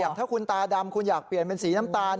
ถ้าคุณตาดำคุณอยากเปลี่ยนเป็นสีน้ำตาล